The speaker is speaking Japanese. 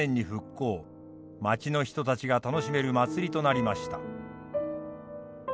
町の人たちが楽しめる祭りとなりました。